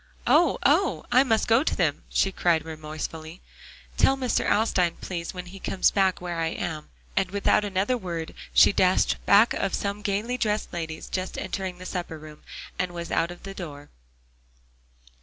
"Oh! oh! I must go to them," she cried remorsefully. "Tell Mr. Alstyne, please, when he comes back, where I am," and without another word she dashed back of some gaily dressed ladies just entering the supper room, and was out of the door.